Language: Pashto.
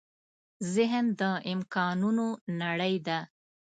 ذهن د امکانونو نړۍ ده.